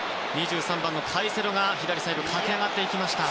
２３番のカイセドが左サイド駆け上がってきました。